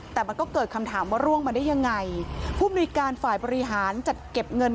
แต่มันก็เกิดคำถามว่าร่วงมาได้ยังไงผู้มนุยการฝ่ายบริหารจัดเก็บเงิน